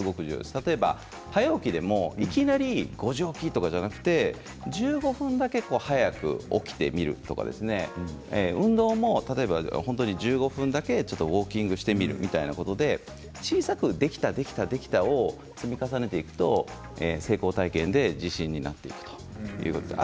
例えば、早起きでもいきなり５時起きとかではなくて１５分だけ早く起きてみるとか例えば運動も１５分だけウォーキングしてみるみたいなことで小さくできたを積み重ねていくと成功体験で自信になっていくということです。